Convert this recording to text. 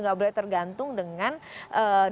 gak boleh tergantung dengan jadwal